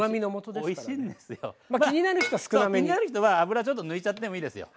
気になる人は脂ちょっと抜いちゃってもいいですよ。